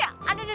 aduh aduh aduh